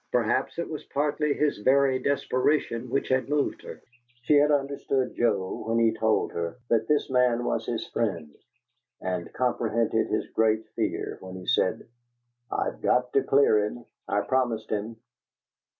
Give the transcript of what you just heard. Perhaps it was partly his very desperation which had moved her. She had understood Joe, when he told her, that this man was his friend; and comprehended his great fear when he said: "I've got to clear him! I promised him."